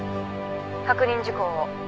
確認事項を。